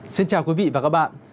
xin chào quý vị và các bạn